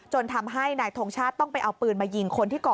จนทำให้นายทงชาติต้องไปเอาปืน